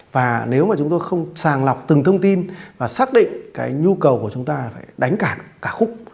và nếu mà chúng tôi không sàng lọc từng thông tin và xác định cái nhu cầu của chúng ta là phải đánh cả khúc